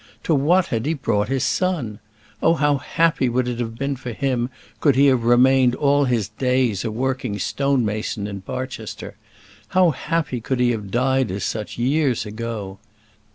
To what had he brought his son? Oh, how happy would it have been for him could he have remained all his days a working stone mason in Barchester! How happy could he have died as such, years ago!